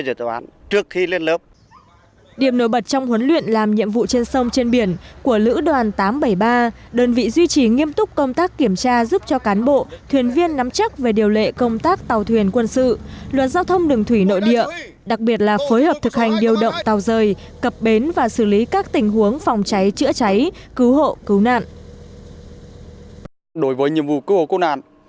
xác định huấn luyện làm nhiệm vụ trên sông trên biển của lữ đoàn tám trăm bảy mươi ba đơn vị duy trì nghiêm túc công tác kiểm tra giúp cho cán bộ thuyền viên nắm chắc về điều lệ công tác tàu thuyền quân sự luật giao thông đường thủy nội địa đặc biệt là phối hợp thực hành điều động tàu rời cập bến và xử lý các tình huống phòng cháy chữa cháy cứu hộ cứu nạn